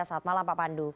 selamat malam pak pandu